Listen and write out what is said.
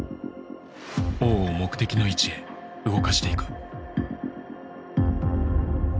王を目的の位置へ動かしていく。